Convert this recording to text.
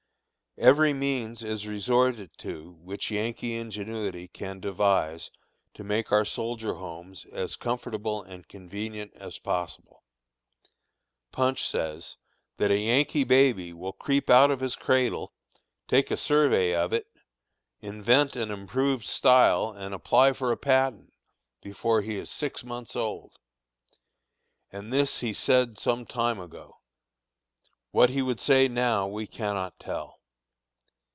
Every means is resorted to which Yankee ingenuity can devise to make our soldier homes as comfortable and convenient as possible. Punch says, "that a Yankee baby will creep out of his cradle, take a survey of it, invent an improved style and apply for a patent, before he is six months old," and this he said some time ago; what he would say now, we cannot tell.